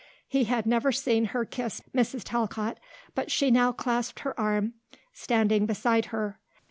He had never seen her kiss Mrs. Talcott, but she now clasped her arm, standing beside her.